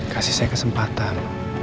kasih saya kesempatan